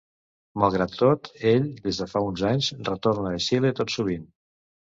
Malgrat tot ell des de fa uns anys retorna a Xile tot sovint.